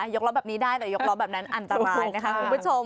ยกล้อแบบนี้ได้แต่ยกล้อแบบนี้อันตราบาน